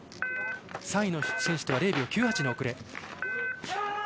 ３位の選手とは０秒９８の遅れ。